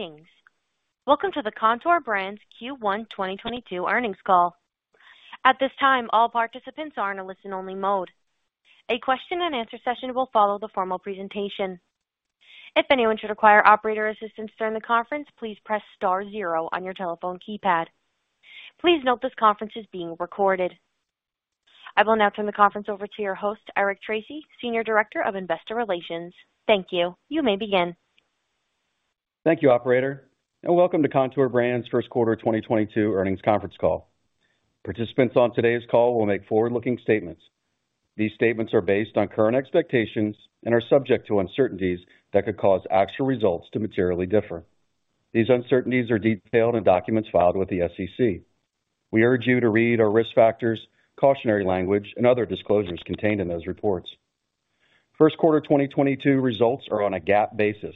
Greetings. Welcome to the Kontoor Brands' Q1 2022 earnings call. At this time, all participants are in a listen-only mode. A question-and-answer session will follow the formal presentation. If anyone should require operator assistance during the conference, please press star zero on your telephone keypad. Please note this conference is being recorded. I will now turn the conference over to your host, Eric Tracy, Senior Director of Investor Relations. Thank you. You may begin. Thank you, operator, and welcome to Kontoor Brands' first quarter 2022 earnings conference call. Participants on today's call will make forward-looking statements. These statements are based on current expectations and are subject to uncertainties that could cause actual results to materially differ. These uncertainties are detailed in documents filed with the SEC. We urge you to read our risk factors, cautionary language, and other disclosures contained in those reports. First quarter 2022 results are on a GAAP basis.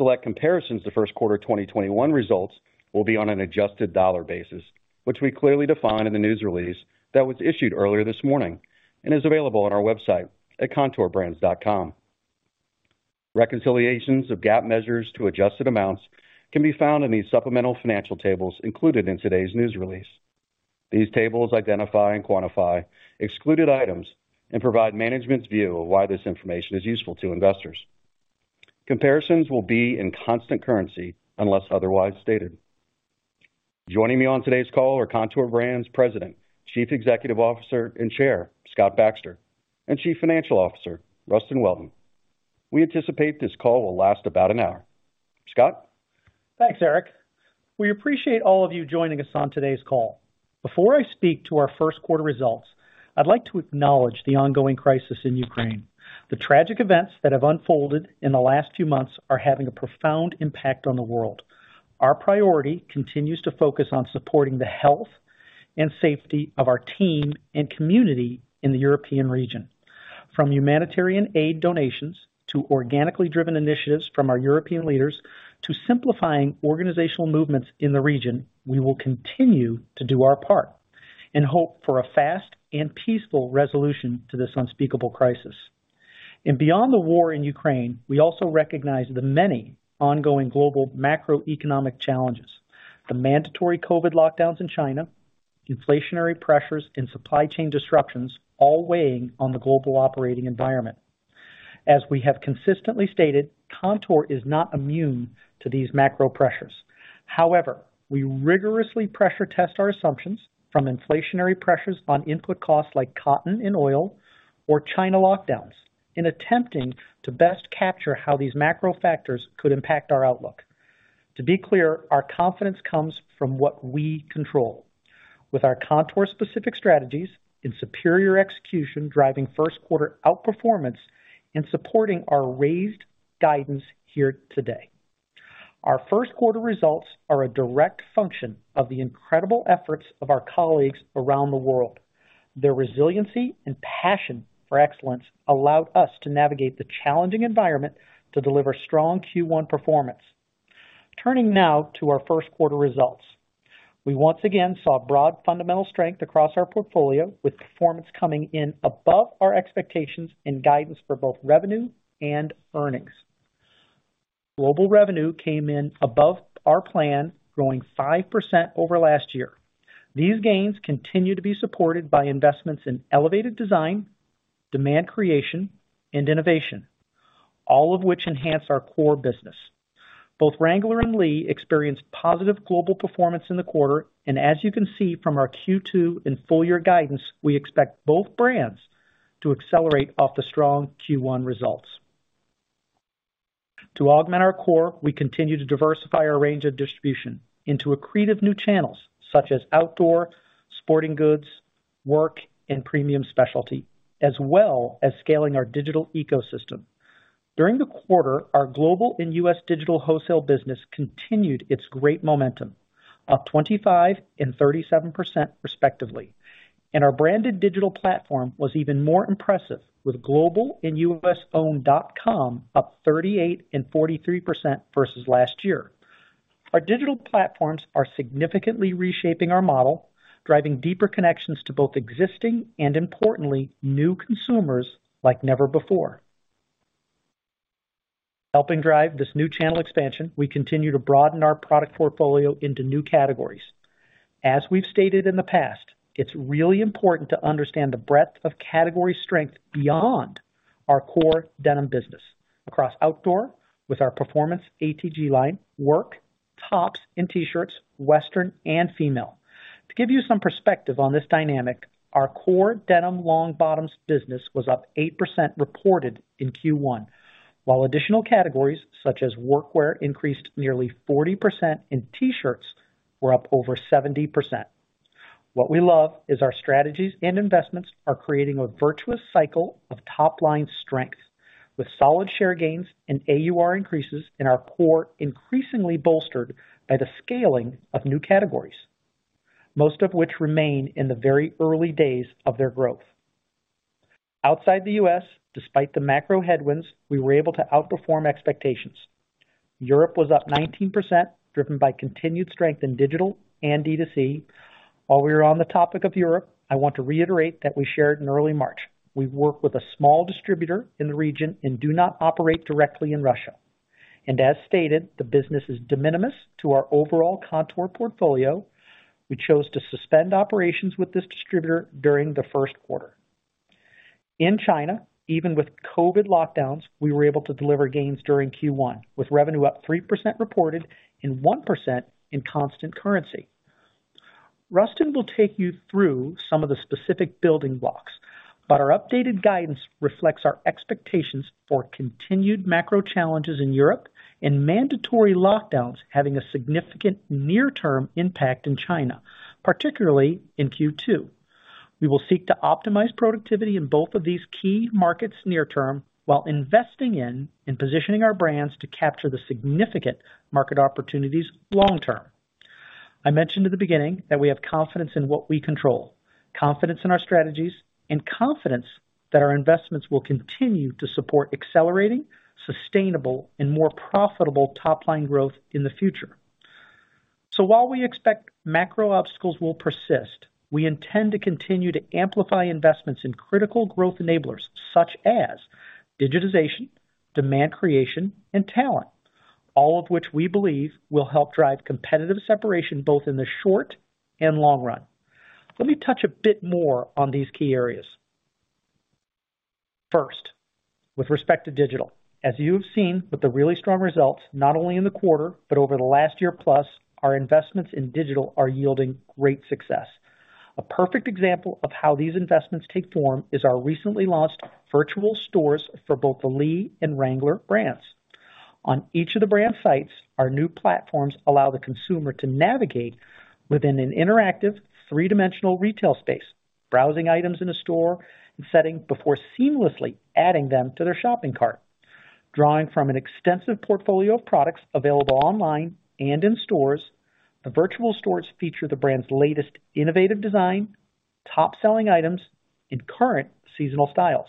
Select comparisons to first quarter 2021 results will be on an adjusted dollar basis, which we clearly define in the news release that was issued earlier this morning and is available on our website at kontoorbrands.com. Reconciliations of GAAP measures to adjusted amounts can be found in these supplemental financial tables included in today's news release. These tables identify and quantify excluded items and provide management's view of why this information is useful to investors. Comparisons will be in constant currency unless otherwise stated. Joining me on today's call are Kontoor Brands President, Chief Executive Officer, and Chair, Scott Baxter, and Chief Financial Officer, Rustin Welton. We anticipate this call will last about an hour. Scott. Thanks, Eric. We appreciate all of you joining us on today's call. Before I speak to our first quarter results, I'd like to acknowledge the ongoing crisis in Ukraine. The tragic events that have unfolded in the last few months are having a profound impact on the world. Our priority continues to focus on supporting the health and safety of our team and community in the European region. From humanitarian aid donations to organically driven initiatives from our European leaders to simplifying organizational movements in the region, we will continue to do our part and hope for a fast and peaceful resolution to this unspeakable crisis. Beyond the war in Ukraine, we also recognize the many ongoing global macroeconomic challenges. The mandatory COVID lockdowns in China, inflationary pressures, and supply chain disruptions all weighing on the global operating environment. As we have consistently stated, Kontoor is not immune to these macro pressures. However, we rigorously pressure test our assumptions from inflationary pressures on input costs like cotton and oil or China lockdowns in attempting to best capture how these macro factors could impact our outlook. To be clear, our confidence comes from what we control. With our Kontoor specific strategies and superior execution driving first quarter outperformance and supporting our raised guidance here today. Our first quarter results are a direct function of the incredible efforts of our colleagues around the world. Their resiliency and passion for excellence allowed us to navigate the challenging environment to deliver strong Q1 performance. Turning now to our first quarter results. We once again saw broad fundamental strength across our portfolio, with performance coming in above our expectations and guidance for both revenue and earnings. Global revenue came in above our plan, growing 5% over last year. These gains continue to be supported by investments in elevated design, demand creation, and innovation, all of which enhance our core business. Both Wrangler and Lee experienced positive global performance in the quarter, and as you can see from our Q2 and full year guidance, we expect both brands to accelerate off the strong Q1 results. To augment our core, we continue to diversify our range of distribution into accretive new channels such as outdoor, sporting goods, work, and premium specialty, as well as scaling our digital ecosystem. During the quarter, our global and U.S. digital wholesale business continued its great momentum, up 25% and 37% respectively. Our branded digital platform was even more impressive with global and U.S. own .com up 38% and 43% versus last year. Our digital platforms are significantly reshaping our model, driving deeper connections to both existing and importantly, new consumers like never before. Helping drive this new channel expansion, we continue to broaden our product portfolio into new categories. As we've stated in the past, it's really important to understand the breadth of category strength beyond our core denim business across outdoor with our performance ATG line, work, tops and T-shirts, western, and female. To give you some perspective on this dynamic, our core denim long bottoms business was up 8% reported in Q1, while additional categories such as work wear increased nearly 40% and T-shirts were up over 70%. What we love is our strategies and investments are creating a virtuous cycle of top line strength with solid share gains and AUR increases in our core, increasingly bolstered by the scaling of new categories, most of which remain in the very early days of their growth. Outside the U.S., despite the macro headwinds, we were able to outperform expectations. Europe was up 19%, driven by continued strength in digital and D2C. While we are on the topic of Europe, I want to reiterate that we shared in early March. We work with a small distributor in the region and do not operate directly in Russia. As stated, the business is de minimis to our overall Kontoor portfolio. We chose to suspend operations with this distributor during the first quarter. In China, even with COVID lockdowns, we were able to deliver gains during Q1, with revenue up 3% reported and 1% in constant currency. Rustin will take you through some of the specific building blocks, but our updated guidance reflects our expectations for continued macro challenges in Europe and mandatory lockdowns having a significant near-term impact in China, particularly in Q2. We will seek to optimize productivity in both of these key markets near term while investing in and positioning our brands to capture the significant market opportunities long term. I mentioned at the beginning that we have confidence in what we control, confidence in our strategies, and confidence that our investments will continue to support accelerating, sustainable, and more profitable top line growth in the future. While we expect macro obstacles will persist, we intend to continue to amplify investments in critical growth enablers such as digitization, demand creation, and talent, all of which we believe will help drive competitive separation both in the short and long run. Let me touch a bit more on these key areas. First, with respect to digital. As you have seen with the really strong results, not only in the quarter but over the last year plus, our investments in digital are yielding great success. A perfect example of how these investments take form is our recently launched virtual stores for both the Lee and Wrangler brands. On each of the brand sites, our new platforms allow the consumer to navigate within an interactive three-dimensional retail space, browsing items in a store and selecting before seamlessly adding them to their shopping cart. Drawing from an extensive portfolio of products available online and in stores, the virtual stores feature the brand's latest innovative design, top-selling items, and current seasonal styles.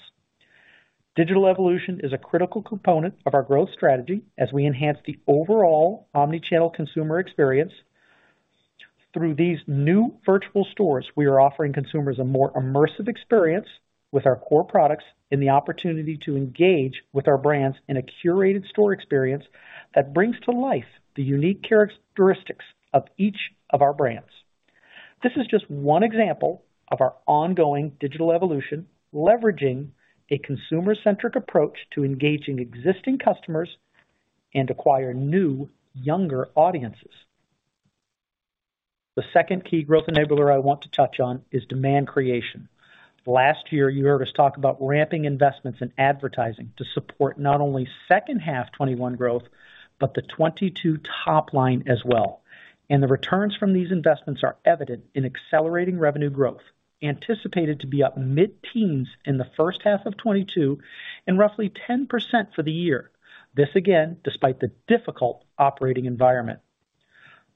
Digital evolution is a critical component of our growth strategy as we enhance the overall omni-channel consumer experience. Through these new virtual stores, we are offering consumers a more immersive experience with our core products and the opportunity to engage with our brands in a curated store experience that brings to life the unique characteristics of each of our brands. This is just one example of our ongoing digital evolution, leveraging a consumer-centric approach to engaging existing customers and acquire new, younger audiences. The second key growth enabler I want to touch on is demand creation. Last year, you heard us talk about ramping investments in advertising to support not only second half 2021 growth, but the 2022 top line as well. The returns from these investments are evident in accelerating revenue growth, anticipated to be up mid-teens in the first half of 2022 and roughly 10% for the year. This again, despite the difficult operating environment.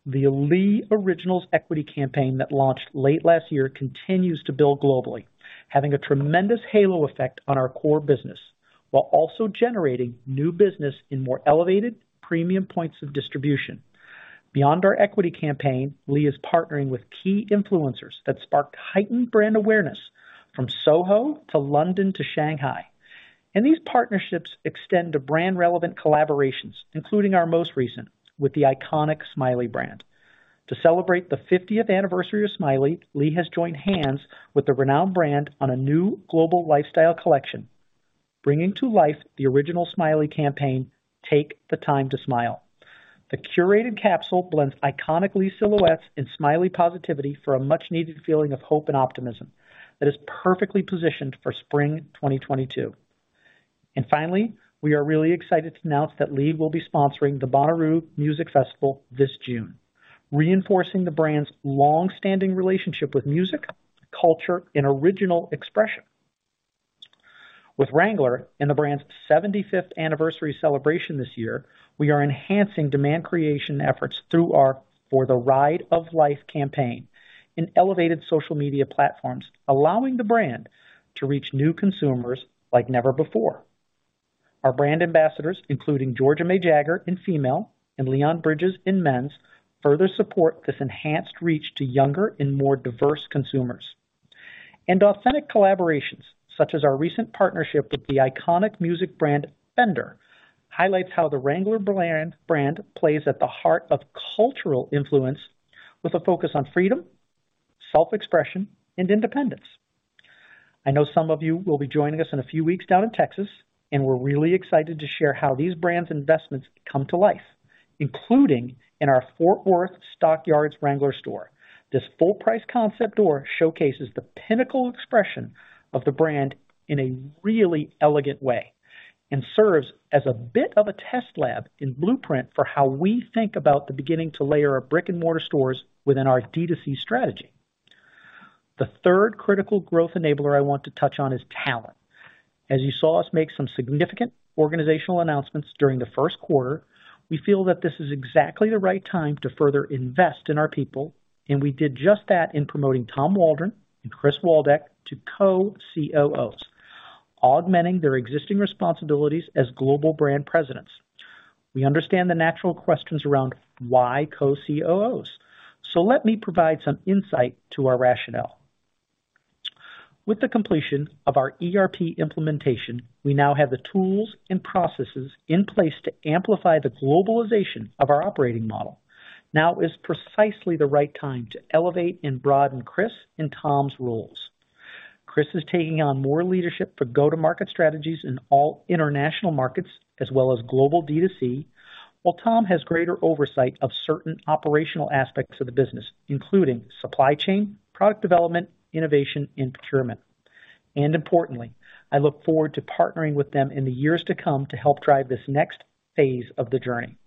The Lee Originals equity campaign that launched late last year continues to build globally, having a tremendous halo effect on our core business while also generating new business in more elevated premium points of distribution. Beyond our equity campaign, Lee is partnering with key influencers that spark heightened brand awareness from Soho to London to Shanghai. These partnerships extend to brand relevant collaborations, including our most recent with the iconic Smiley brand. To celebrate the 50th anniversary of Smiley, Lee has joined hands with the renowned brand on a new global lifestyle collection, bringing to life the original Smiley campaign, Take the Time to Smile. The curated capsule blends iconic Lee silhouettes and Smiley positivity for a much-needed feeling of hope and optimism that is perfectly positioned for spring 2022. Finally, we are really excited to announce that Lee will be sponsoring the Bonnaroo Music & Arts Festival this June, reinforcing the brand's long-standing relationship with music, culture, and original expression. With Wrangler and the brand's 75th anniversary celebration this year, we are enhancing demand creation efforts through our For the Ride of Life campaign in elevated social media platforms, allowing the brand to reach new consumers like never before. Our brand ambassadors, including Georgia May Jagger in female and Leon Bridges in men's, further support this enhanced reach to younger and more diverse consumers. Authentic collaborations such as our recent partnership with the iconic music brand Fender highlights how the Wrangler brand plays at the heart of cultural influence with a focus on freedom, self-expression, and independence. I know some of you will be joining us in a few weeks down in Texas, and we're really excited to share how these brands investments come to life, including in our Fort Worth Stockyards Wrangler store. This full price concept door showcases the pinnacle expression of the brand in a really elegant way and serves as a bit of a test lab in blueprint for how we think about the beginning to layer our brick-and-mortar stores within our D2C strategy. The third critical growth enabler I want to touch on is talent. As you saw us make some significant organizational announcements during the first quarter, we feel that this is exactly the right time to further invest in our people, and we did just that in promoting Tom Waldron and Chris Waldeck to co-COOs, augmenting their existing responsibilities as global brand presidents. We understand the natural questions around why co-COOs. So let me provide some insight to our rationale. With the completion of our ERP implementation, we now have the tools and processes in place to amplify the globalization of our operating model. Now is precisely the right time to elevate and broaden Chris and Tom's roles. Chris is taking on more leadership for go-to-market strategies in all international markets as well as global D2C, while Tom has greater oversight of certain operational aspects of the business, including supply chain, product development, innovation, and procurement. Importantly, I look forward to partnering with them in the years to come to help drive this next phase of the journey.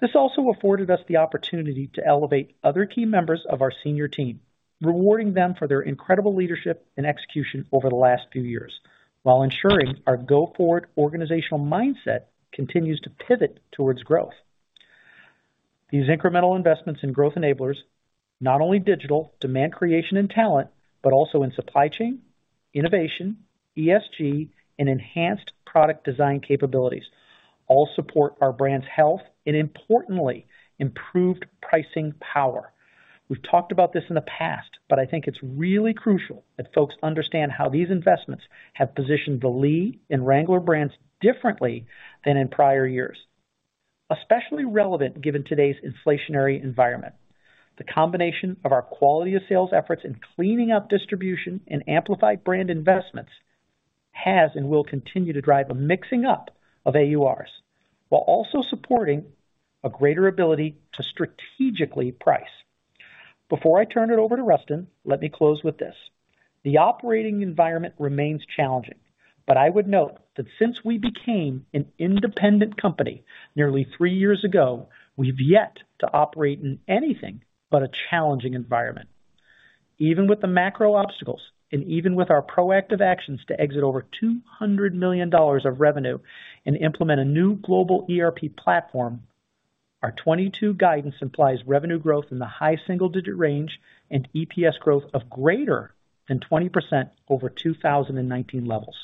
This also afforded us the opportunity to elevate other key members of our senior team, rewarding them for their incredible leadership and execution over the last few years, while ensuring our go forward organizational mindset continues to pivot towards growth. These incremental investments in growth enablers, not only digital demand creation and talent, but also in supply chain, innovation, ESG, and enhanced product design capabilities, all support our brand's health and importantly, improved pricing power. We've talked about this in the past, but I think it's really crucial that folks understand how these investments have positioned the Lee and Wrangler brands differently than in prior years. Especially relevant given today's inflationary environment. The combination of our quality of sales efforts in cleaning up distribution and amplified brand investments has and will continue to drive a mixing up of AURs, while also supporting a greater ability to strategically price. Before I turn it over to Rustin, let me close with this. The operating environment remains challenging, but I would note that since we became an independent company nearly three years ago, we've yet to operate in anything but a challenging environment. Even with the macro obstacles, and even with our proactive actions to exit over $200 million of revenue and implement a new global ERP platform, our 2022 guidance implies revenue growth in the high single-digit range and EPS growth of greater than 20% over 2019 levels.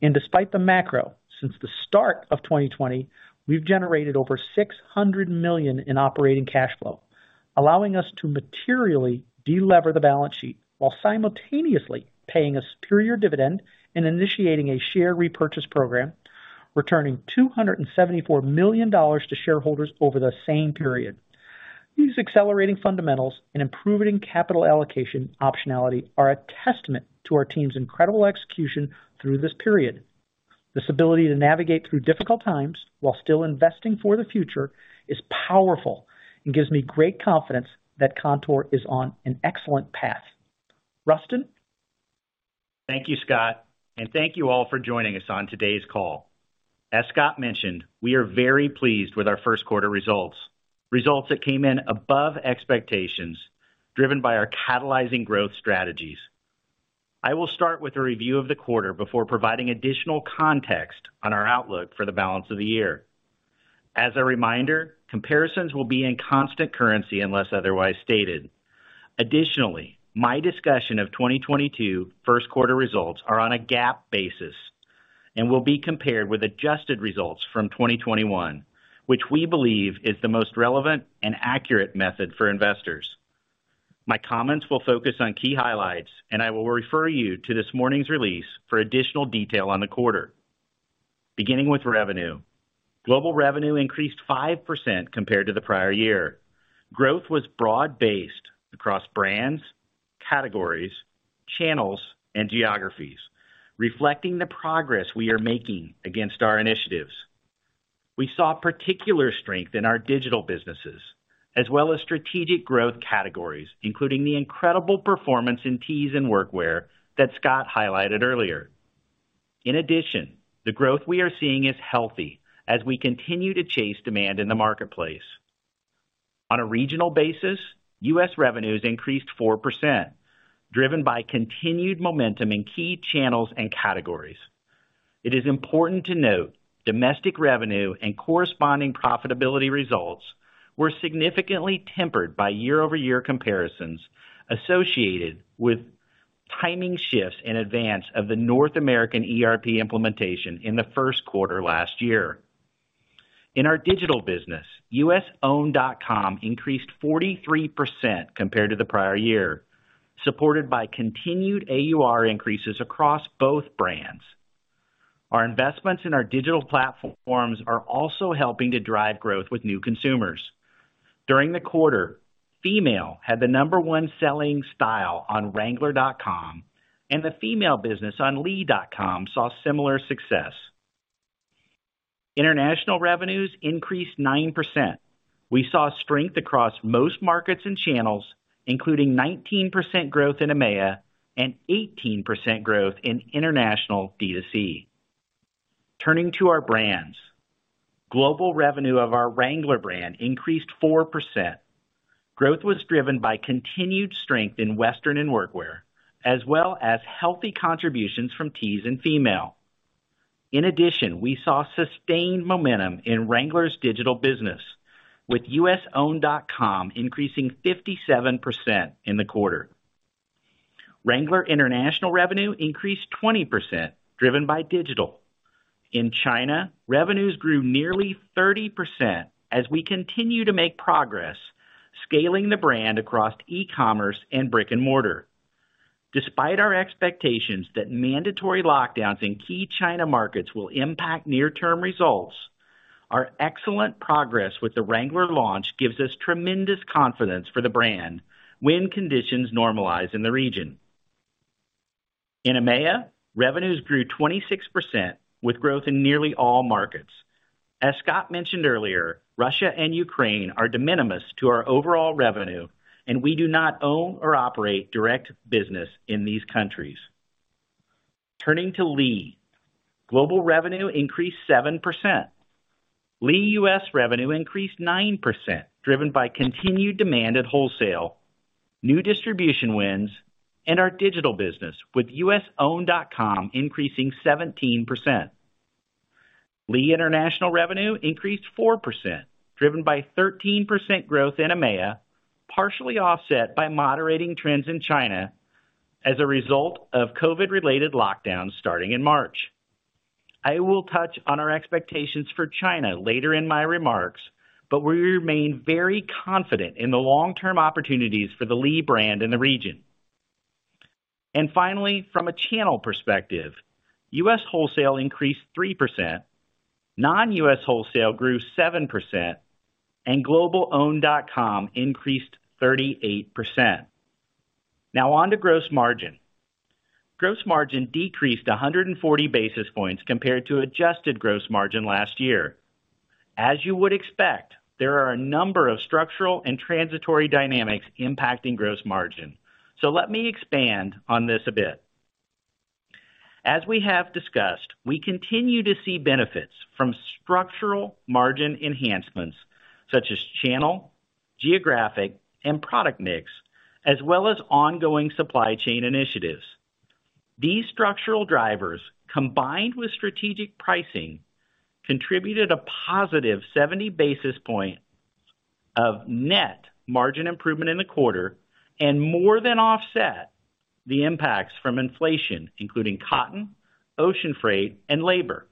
Despite the macro, since the start of 2020, we've generated over $600 million in operating cash flow, allowing us to materially delever the balance sheet while simultaneously paying a superior dividend and initiating a share repurchase program, returning $274 million to shareholders over the same period. These accelerating fundamentals and improving capital allocation optionality are a testament to our team's incredible execution through this period. This ability to navigate through difficult times while still investing for the future is powerful and gives me great confidence that Kontoor is on an excellent path. Rustin. Thank you, Scott, and thank you all for joining us on today's call. As Scott mentioned, we are very pleased with our first quarter results that came in above expectations driven by our catalyzing growth strategies. I will start with a review of the quarter before providing additional context on our outlook for the balance of the year. As a reminder, comparisons will be in constant currency unless otherwise stated. Additionally, my discussion of 2022 first quarter results are on a GAAP basis and will be compared with adjusted results from 2021, which we believe is the most relevant and accurate method for investors. My comments will focus on key highlights, and I will refer you to this morning's release for additional detail on the quarter. Beginning with revenue. Global revenue increased 5% compared to the prior year. Growth was broad-based across brands, categories, channels, and geographies, reflecting the progress we are making against our initiatives. We saw particular strength in our digital businesses as well as strategic growth categories, including the incredible performance in tees and workwear that Scott highlighted earlier. In addition, the growth we are seeing is healthy as we continue to chase demand in the marketplace. On a regional basis, U.S. revenues increased 4%, driven by continued momentum in key channels and categories. It is important to note domestic revenue and corresponding profitability results were significantly tempered by year-over-year comparisons associated with timing shifts in advance of the North American ERP implementation in the first quarter last year. In our digital business, U.S. own .com increased 43% compared to the prior year, supported by continued AUR increases across both brands. Our investments in our digital platforms are also helping to drive growth with new consumers. During the quarter, Female had the number one selling style on wrangler.com, and the Female business on lee.com saw similar success. International revenues increased 9%. We saw strength across most markets and channels, including 19% growth in EMEA and 18% growth in international D2C. Turning to our brands. Global revenue of our Wrangler brand increased 4%. Growth was driven by continued strength in Western and workwear, as well as healthy contributions from tees and Female. In addition, we saw sustained momentum in Wrangler's digital business, with U.S. own .com increasing 57% in the quarter. Wrangler international revenue increased 20% driven by digital. In China, revenues grew nearly 30% as we continue to make progress scaling the brand across e-commerce and brick-and-mortar. Despite our expectations that mandatory lockdowns in key China markets will impact near-term results, our excellent progress with the Wrangler launch gives us tremendous confidence for the brand when conditions normalize in the region. In EMEA, revenues grew 26% with growth in nearly all markets. As Scott mentioned earlier, Russia and Ukraine are de minimis to our overall revenue, and we do not own or operate direct business in these countries. Turning to Lee. Global revenue increased 7%. Lee US revenue increased 9%, driven by continued demand at wholesale, new distribution wins, and our digital business, with U.S. own .com increasing 17%. Lee international revenue increased 4%, driven by 13% growth in EMEA, partially offset by moderating trends in China as a result of COVID-related lockdowns starting in March. I will touch on our expectations for China later in my remarks, but we remain very confident in the long-term opportunities for the Lee brand in the region. Finally, from a channel perspective, U.S. wholesale increased 3%. Non-U.S. wholesale grew 7%, and global own.com increased 38%. Now on to gross margin. Gross margin decreased 140 basis points compared to adjusted gross margin last year. As you would expect, there are a number of structural and transitory dynamics impacting gross margin. Let me expand on this a bit. As we have discussed, we continue to see benefits from structural margin enhancements such as channel, geographic, and product mix, as well as ongoing supply chain initiatives. These structural drivers, combined with strategic pricing, contributed a positive 70 basis points of net margin improvement in the quarter and more than offset the impacts from inflation, including cotton, ocean freight, and labor.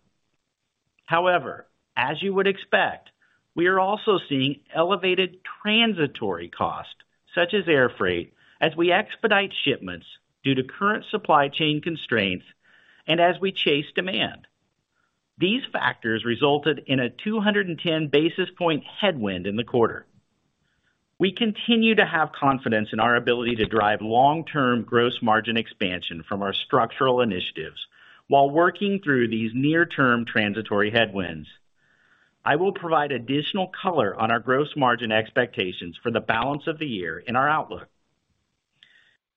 However, as you would expect, we are also seeing elevated transitory costs, such as air freight, as we expedite shipments due to current supply chain constraints, and as we chase demand. These factors resulted in a 210 basis points headwind in the quarter. We continue to have confidence in our ability to drive long-term gross margin expansion from our structural initiatives while working through these near-term transitory headwinds. I will provide additional color on our gross margin expectations for the balance of the year in our outlook.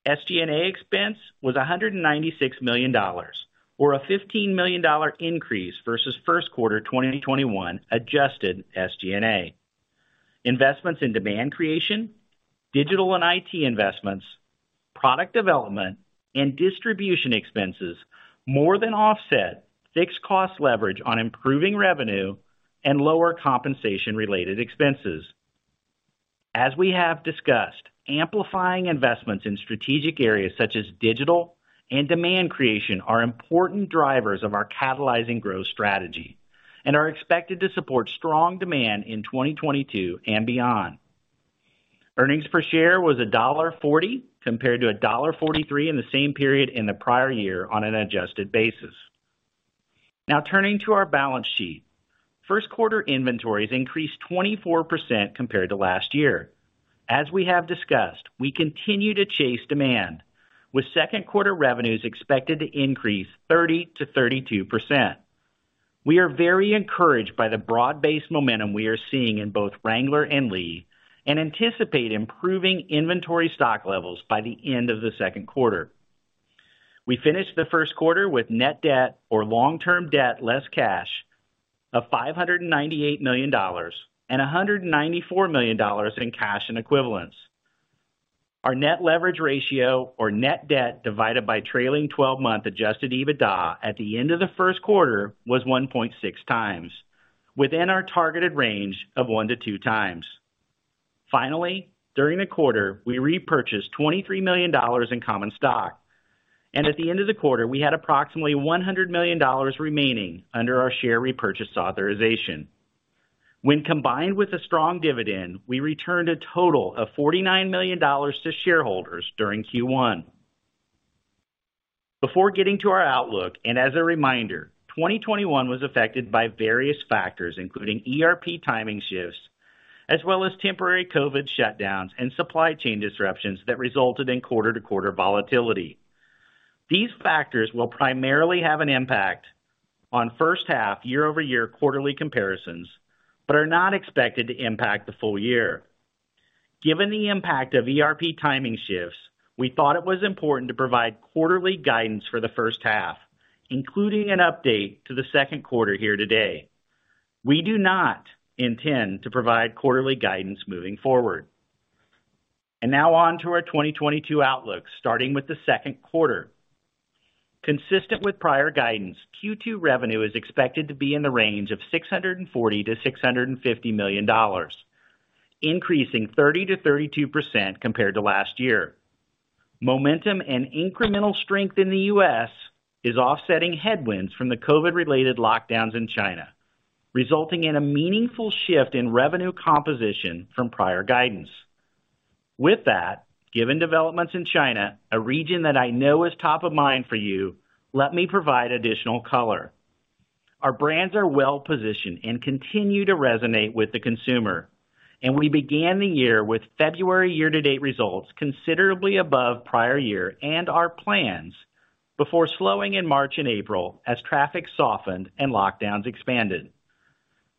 SG&A expense was $196 million, or a $15 million increase versus first quarter 2021 adjusted SG&A. Investments in demand creation, digital and IT investments, product development, and distribution expenses more than offset fixed cost leverage on improving revenue and lower compensation related expenses. As we have discussed, amplifying investments in strategic areas such as digital and demand creation are important drivers of our catalyzing growth strategy and are expected to support strong demand in 2022 and beyond. Earnings per share was $1.40 compared to $1.43 in the same period in the prior year on an adjusted basis. Now turning to our balance sheet. First quarter inventories increased 24% compared to last year. As we have discussed, we continue to chase demand, with second quarter revenues expected to increase 30%-32%. We are very encouraged by the broad-based momentum we are seeing in both Wrangler and Lee and anticipate improving inventory stock levels by the end of the second quarter. We finished the first quarter with net debt or long-term debt less cash of $598 million and $194 million in cash and equivalents. Our net leverage ratio or net debt divided by trailing 12-month adjusted EBITDA at the end of the first quarter was 1.6x within our targeted range of 1x to 2x. Finally, during the quarter, we repurchased $23 million in common stock, and at the end of the quarter, we had approximately $100 million remaining under our share repurchase authorization. When combined with a strong dividend, we returned a total of $49 million to shareholders during Q1. Before getting to our outlook, and as a reminder, 2021 was affected by various factors, including ERP timing shifts, as well as temporary COVID shutdowns and supply chain disruptions that resulted in quarter-to-quarter volatility. These factors will primarily have an impact on first half year-over-year quarterly comparisons, but are not expected to impact the full year. Given the impact of ERP timing shifts, we thought it was important to provide quarterly guidance for the first half, including an update to the second quarter here today. We do not intend to provide quarterly guidance moving forward. Now on to our 2022 outlook, starting with the second quarter. Consistent with prior guidance, Q2 revenue is expected to be in the range of $640 million-$650 million, increasing 30%-32% compared to last year. Momentum and incremental strength in the U.S. is offsetting headwinds from the COVID-related lockdowns in China, resulting in a meaningful shift in revenue composition from prior guidance. With that, given developments in China, a region that I know is top of mind for you, let me provide additional color. Our brands are well-positioned and continue to resonate with the consumer, and we began the year with February year-to-date results considerably above prior year and our plans before slowing in March and April as traffic softened and lockdowns expanded.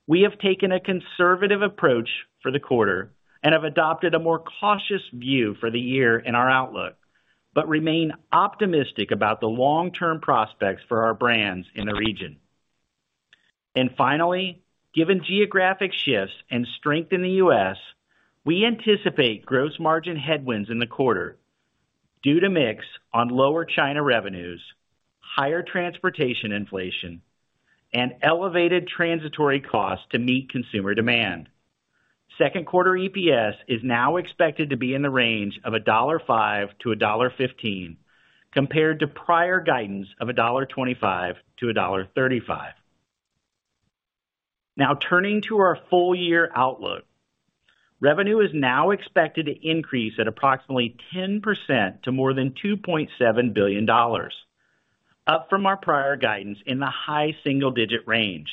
We have taken a conservative approach for the quarter and have adopted a more cautious view for the year in our outlook, but remain optimistic about the long-term prospects for our brands in the region. Finally, given geographic shifts and strength in the U.S., we anticipate gross margin headwinds in the quarter due to mix on lower China revenues, higher transportation inflation, and elevated transitory costs to meet consumer demand. Second quarter EPS is now expected to be in the range of $1.05-$1.15, compared to prior guidance of $1.25-$1.35. Now turning to our full year outlook. Revenue is now expected to increase at approximately 10% to more than $2.7 billion, up from our prior guidance in the high single-digit range.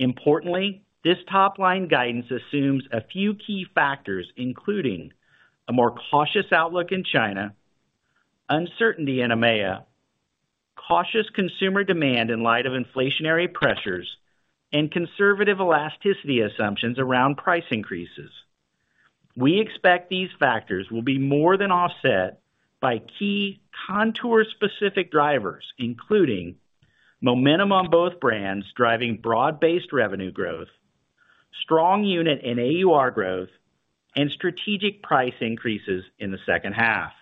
Importantly, this top-line guidance assumes a few key factors, including a more cautious outlook in China, uncertainty in EMEA, cautious consumer demand in light of inflationary pressures, and conservative elasticity assumptions around price increases. We expect these factors will be more than offset by key Kontoor-specific drivers, including momentum on both brands, driving broad-based revenue growth, strong unit and AUR growth, and strategic price increases in the second half.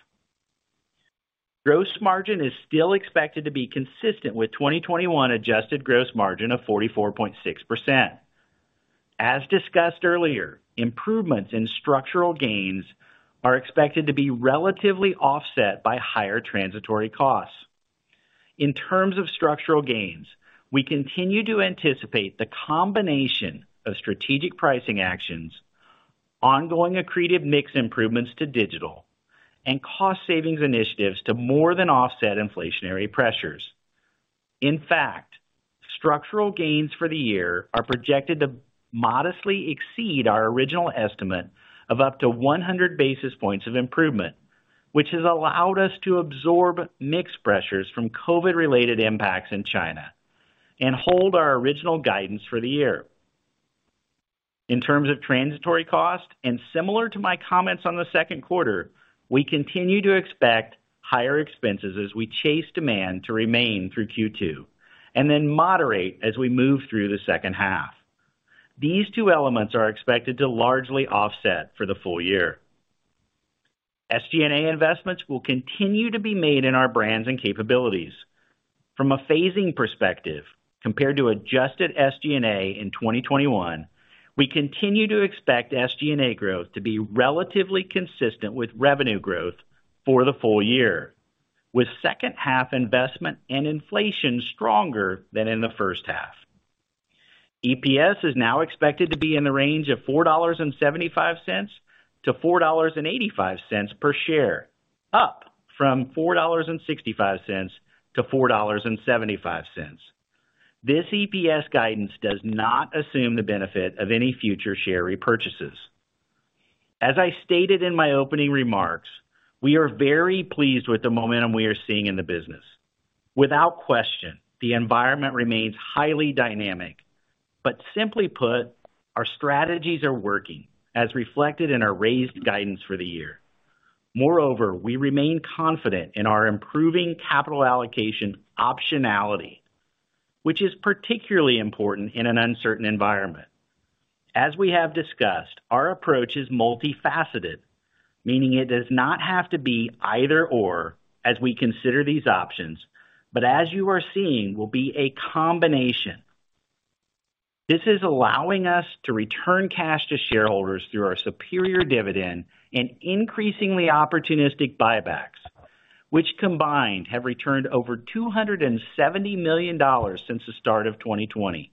Gross margin is still expected to be consistent with 2021 adjusted gross margin of 44.6%. As discussed earlier, improvements in structural gains are expected to be relatively offset by higher transitory costs. In terms of structural gains, we continue to anticipate the combination of strategic pricing actions, ongoing accretive mix improvements to digital and cost savings initiatives to more than offset inflationary pressures. In fact, structural gains for the year are projected to modestly exceed our original estimate of up to 100 basis points of improvement, which has allowed us to absorb mix pressures from COVID-related impacts in China and hold our original guidance for the year. In terms of transitory cost, and similar to my comments on the second quarter, we continue to expect higher expenses as we chase demand to remain through Q2 and then moderate as we move through the second half. These two elements are expected to largely offset for the full year. SG&A investments will continue to be made in our brands and capabilities. From a phasing perspective, compared to adjusted SG&A in 2021, we continue to expect SG&A growth to be relatively consistent with revenue growth for the full year, with second half investment and inflation stronger than in the first half. EPS is now expected to be in the range of $4.75-$4.85 per share, up from $4.65-$4.75. This EPS guidance does not assume the benefit of any future share repurchases. As I stated in my opening remarks, we are very pleased with the momentum we are seeing in the business. Without question, the environment remains highly dynamic. Simply put, our strategies are working, as reflected in our raised guidance for the year. Moreover, we remain confident in our improving capital allocation optionality, which is particularly important in an uncertain environment. As we have discussed, our approach is multifaceted, meaning it does not have to be either/or as we consider these options, but as you are seeing, will be a combination. This is allowing us to return cash to shareholders through our superior dividend and increasingly opportunistic buybacks, which combined have returned over $270 million since the start of 2020.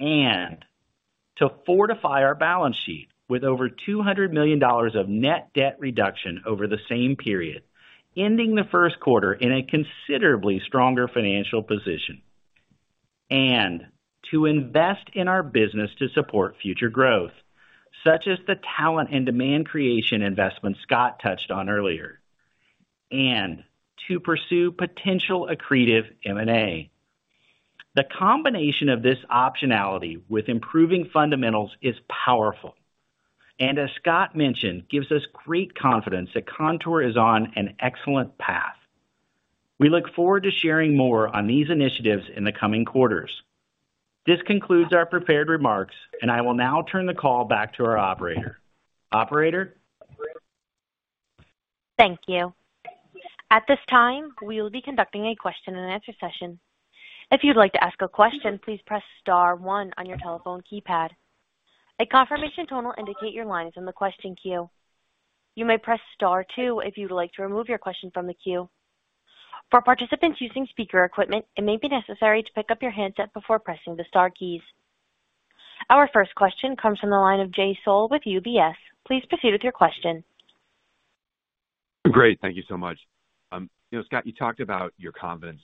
To fortify our balance sheet with over $200 million of net debt reduction over the same period, ending the first quarter in a considerably stronger financial position. To invest in our business to support future growth, such as the talent and demand creation investment Scott touched on earlier. To pursue potential accretive M&A. The combination of this optionality with improving fundamentals is powerful, and as Scott mentioned, gives us great confidence that Kontoor is on an excellent path. We look forward to sharing more on these initiatives in the coming quarters. This concludes our prepared remarks, and I will now turn the call back to our operator. Operator? Thank you. At this time, we will be conducting a question and answer session. If you'd like to ask a question, please press star one on your telephone keypad. A confirmation tone will indicate your line is in the question queue. You may press star two if you'd like to remove your question from the queue. For participants using speaker equipment, it may be necessary to pick up your handset before pressing the star keys. Our first question comes from the line of Jay Sole with UBS. Please proceed with your question. Great. Thank you so much. You know, Scott, you talked about your confidence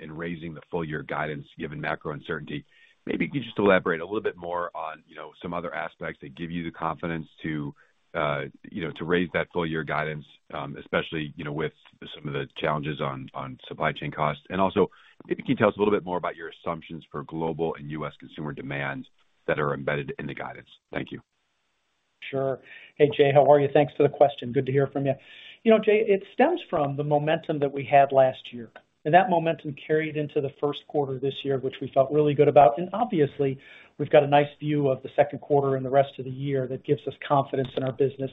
in raising the full year guidance given macro uncertainty. Maybe can you just elaborate a little bit more on, you know, some other aspects that give you the confidence to, you know, to raise that full year guidance, especially, you know, with some of the challenges on supply chain costs. Also, maybe can you tell us a little bit more about your assumptions for global and U.S. consumer demand that are embedded in the guidance? Thank you. Sure. Hey, Jay. How are you? Thanks for the question. Good to hear from you. You know, Jay, it stems from the momentum that we had last year, and that momentum carried into the first quarter this year, which we felt really good about. Obviously, we've got a nice view of the second quarter and the rest of the year that gives us confidence in our business.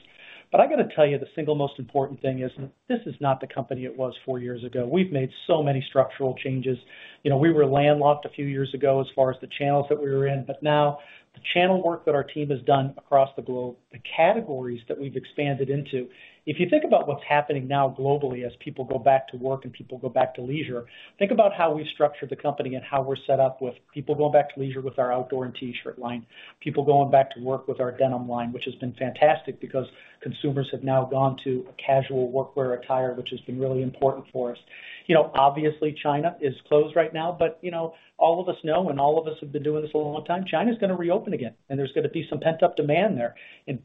I got to tell you, the single most important thing is this is not the company it was four years ago. We've made so many structural changes. You know, we were landlocked a few years ago as far as the channels that we were in. Now the channel work that our team has done across the globe, the categories that we've expanded into. If you think about what's happening now globally as people go back to work and people go back to leisure, think about how we've structured the company and how we're set up with people going back to leisure with our outdoor and T-shirt line, people going back to work with our denim line, which has been fantastic because consumers have now gone to a casual workwear attire, which has been really important for us. You know, obviously China is closed right now, but, you know, all of us know and all of us have been doing this a long time. China is gonna reopen again, and there's gonna be some pent-up demand there.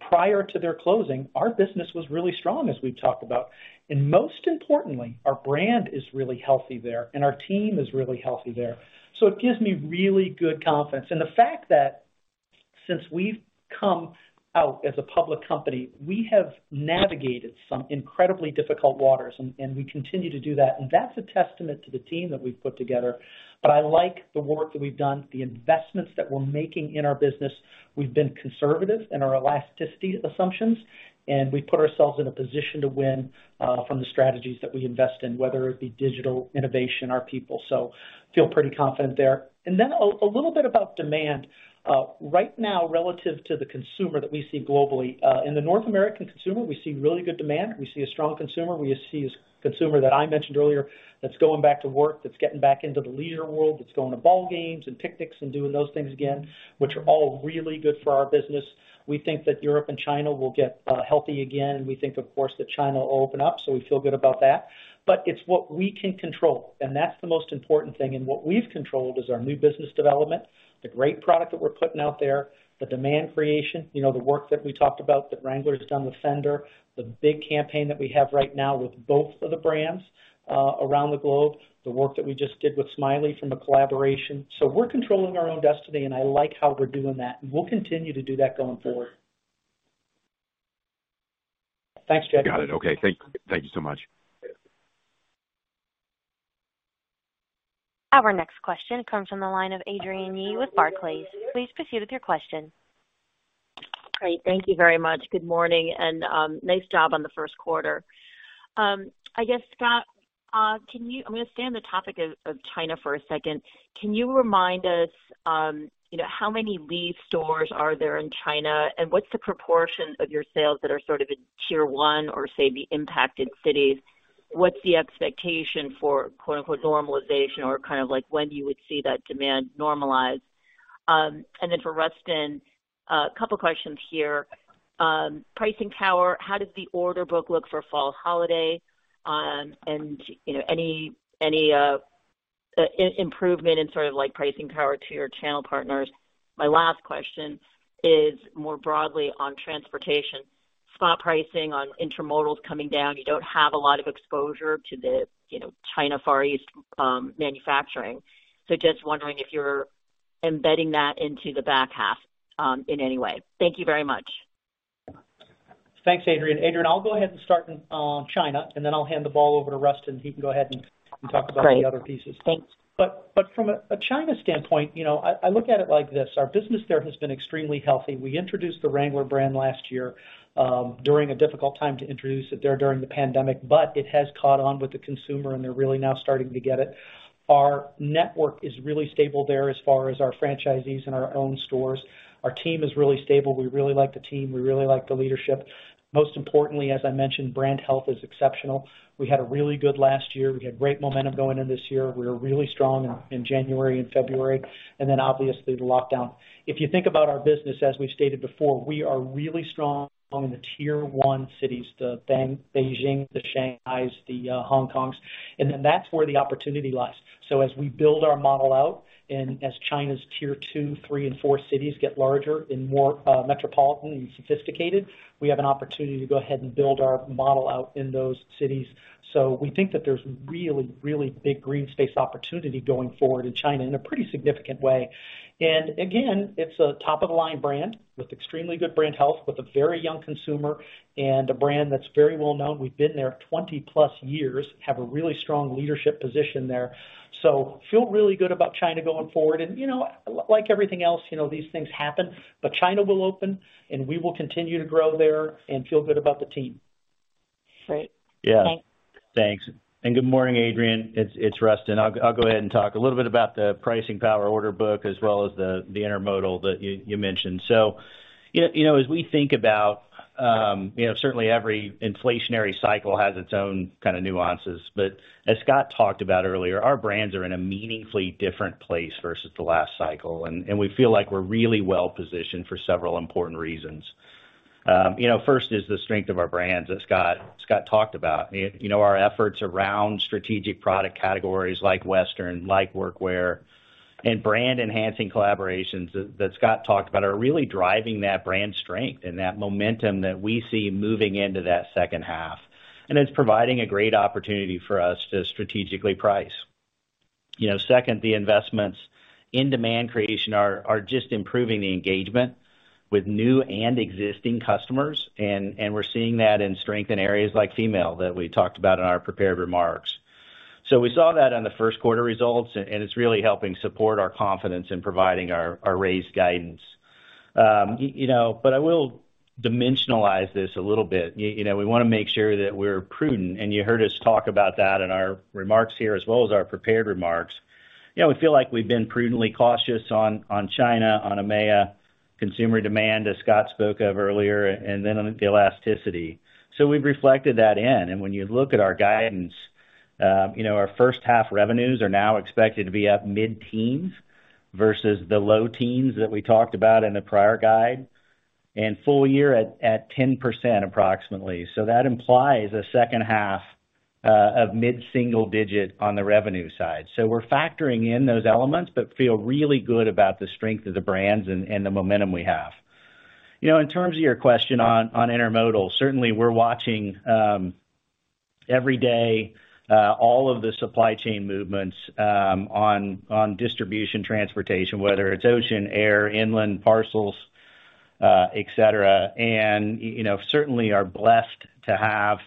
Prior to their closing, our business was really strong, as we've talked about. Most importantly, our brand is really healthy there, and our team is really healthy there. It gives me really good confidence. The fact that since we've come out as a public company, we have navigated some incredibly difficult waters, and we continue to do that. That's a testament to the team that we've put together. I like the work that we've done, the investments that we're making in our business. We've been conservative in our elasticity assumptions, and we put ourselves in a position to win from the strategies that we invest in, whether it be digital innovation, our people. Feel pretty confident there. A little bit about demand. Right now, relative to the consumer that we see globally, in the North American consumer, we see really good demand. We see a strong consumer. We see a consumer that I mentioned earlier that's going back to work, that's getting back into the leisure world, that's going to ball games and picnics and doing those things again, which are all really good for our business. We think that Europe and China will get healthy again. We think, of course, that China will open up. We feel good about that. It's what we can control, and that's the most important thing. What we've controlled is our new business development, the great product that we're putting out there, the demand creation, you know, the work that we talked about that Wrangler's done with Fender, the big campaign that we have right now with both of the brands around the globe, the work that we just did with Smiley from the collaboration. We're controlling our own destiny, and I like how we're doing that, and we'll continue to do that going forward. Thanks, Jay. Got it. Okay, thank you so much. Our next question comes from the line of Adrienne Yih with Barclays. Please proceed with your question. Great. Thank you very much. Good morning. Nice job on the first quarter. I guess, Scott, I'm gonna stay on the topic of China for a second. Can you remind us, you know, how many Lee stores are there in China, and what's the proportion of your sales that are sort of in tier one or say, the impacted cities? What's the expectation for, quote-unquote, normalization or kind of like when you would see that demand normalize? Then for Rustin, a couple of questions here. Pricing power, how does the order book look for fall holiday? You know, any improvement in sort of like pricing power to your channel partners? My last question is more broadly on transportation. Spot pricing on intermodals coming down. You don't have a lot of exposure to the, you know, China Far East, manufacturing. Just wondering if you're embedding that into the back half, in any way. Thank you very much. Thanks, Adrienne. Adrienne, I'll go ahead and start on China, and then I'll hand the ball over to Rustin. He can go ahead and talk about the other pieces. Great. Thanks. From a China standpoint, you know, I look at it like this: our business there has been extremely healthy. We introduced the Wrangler brand last year, during a difficult time to introduce it there during the pandemic, but it has caught on with the consumer, and they're really now starting to get it. Our network is really stable there as far as our franchisees and our own stores. Our team is really stable. We really like the team. We really like the leadership. Most importantly, as I mentioned, brand health is exceptional. We had a really good last year. We had great momentum going into this year. We were really strong in January and February, and then obviously the lockdown. If you think about our business, as we've stated before, we are really strong in the tier-one cities, the Beijing, the Shanghais, the Hong Kongs. Then that's where the opportunity lies. As we build our model out and as China's Tier 2, Tier 3, and Tier 4 cities get larger and more metropolitan and sophisticated, we have an opportunity to go ahead and build our model out in those cities. We think that there's really, really big greenfield opportunity going forward in China in a pretty significant way. Again, it's a top-of-the-line brand with extremely good brand health, with a very young consumer and a brand that's very well known. We've been there 20+ years, have a really strong leadership position there. Feel really good about China going forward. You know, like everything else, you know, these things happen, but China will open, and we will continue to grow there and feel good about the team. Great. Yeah. Thanks. Thanks. Good morning, Adrienne. It's Rustin. I'll go ahead and talk a little bit about the pricing power order book as well as the intermodal that you mentioned. You know, as we think about, you know, certainly every inflationary cycle has its own kind of nuances. As Scott talked about earlier, our brands are in a meaningfully different place versus the last cycle. We feel like we're really well-positioned for several important reasons. You know, first is the strength of our brands that Scott talked about. You know, our efforts around strategic product categories like Western, like workwear, and brand enhancing collaborations that Scott talked about are really driving that brand strength and that momentum that we see moving into that second half. It's providing a great opportunity for us to strategically price. You know, second, the investments in demand creation are just improving the engagement with new and existing customers, and we're seeing that in strength in areas like female that we talked about in our prepared remarks. We saw that on the first quarter results, and it's really helping support our confidence in providing our raised guidance. You know, I will dimensionalize this a little bit. You know, we wanna make sure that we're prudent, and you heard us talk about that in our remarks here as well as our prepared remarks. You know, we feel like we've been prudently cautious on China, on EMEA consumer demand, as Scott spoke of earlier, and then on the elasticity. We've reflected that in. When you look at our guidance, you know, our first half revenues are now expected to be up mid-teens versus the low teens that we talked about in the prior guide, and full year at 10% approximately. That implies a second half of mid single-digit on the revenue side. We're factoring in those elements but feel really good about the strength of the brands and the momentum we have. You know, in terms of your question on intermodal, certainly we're watching every day all of the supply chain movements on distribution transportation, whether it's ocean, air, inland parcels, et cetera. You know, certainly are blessed to have,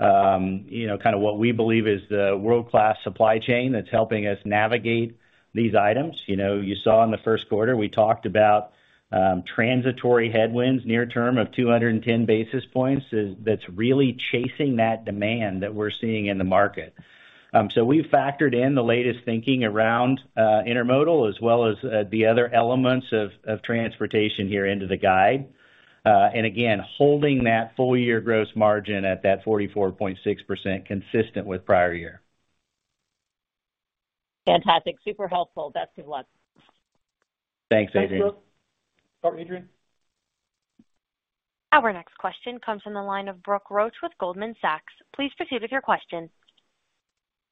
you know, kinda what we believe is the world-class supply chain that's helping us navigate these items. You know, you saw in the first quarter, we talked about transitory headwinds near term of 210 basis points. That's really chasing that demand that we're seeing in the market. So we've factored in the latest thinking around intermodal as well as the other elements of transportation here into the guide. And again, holding that full year gross margin at that 44.6% consistent with prior year. Fantastic. Super helpful. Best of luck. Thanks, Adrienne. Thanks, Adrienne. Our next question comes from the line of Brooke Roach with Goldman Sachs. Please proceed with your question.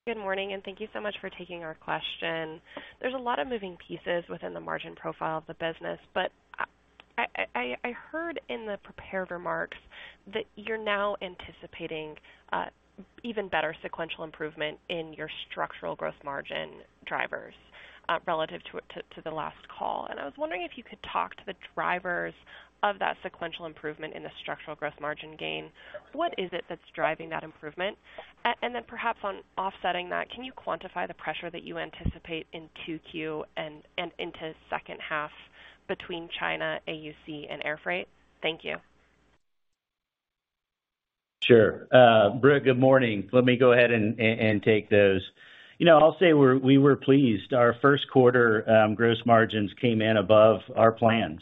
Good morning, and thank you so much for taking our question. There's a lot of moving pieces within the margin profile of the business, but I heard in the prepared remarks that you're now anticipating even better sequential improvement in your structural gross margin drivers relative to the last call. I was wondering if you could talk to the drivers of that sequential improvement in the structural gross margin gain. What is it that's driving that improvement? Then perhaps on offsetting that, can you quantify the pressure that you anticipate in 2Q and into second half between China, AUC, and air freight? Thank you. Sure. Brooke, good morning. Let me go ahead and take those. You know, I'll say we were pleased. Our first quarter gross margins came in above our plans.